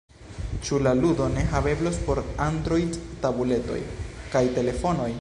Ĉu la ludo ne haveblos por Android-tabuletoj kaj telefonoj?